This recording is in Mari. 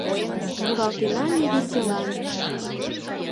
Муралтена ме веселан.